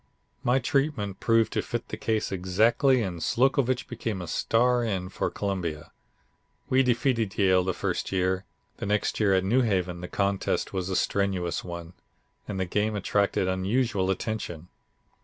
My treatment proved to fit the case exactly and Slocovitch became a star end for Columbia. We defeated Yale the first year; the next year at New Haven the contest was a strenuous one, and the game attracted unusual attention.